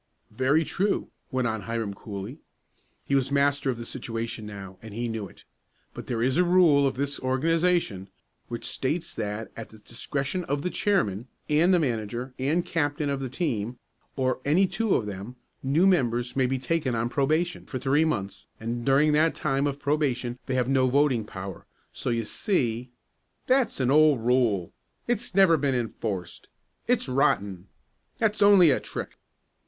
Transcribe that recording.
"Very true," went on Hiram coolly. He was master of the situation now, and he knew it. "But there is a rule of this organization, which states that at the discretion of the chairman, and the manager and captain of the team, or any two of them, new members may be taken on probation for three months, and during that term of probation they have no voting power, so you see " "That's an old rule!" "It's never been enforced!" "It's rotten!" "That's only a trick!"